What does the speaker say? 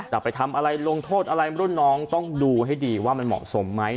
ไปทำอะไรลงโทษอะไรรุ่นน้องต้องดูให้ดีว่ามันเหมาะสมไหม